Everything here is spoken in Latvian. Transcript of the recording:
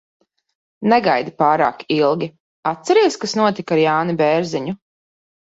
Negaidi pārāk ilgi. Atceries, kas notika ar Jāni Bērziņu?